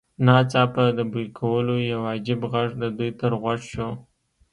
ناڅاپه د بوی کولو یو عجیب غږ د دوی تر غوږ شو